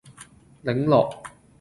檸樂